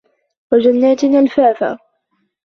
وجنات ألفافا